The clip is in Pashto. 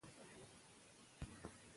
که قوه وي نو وزن نه سپکیږي.